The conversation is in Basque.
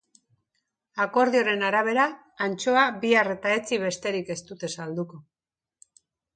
Akordioaren arabera, antxoa bihar eta etzi besterik ez dute salduko.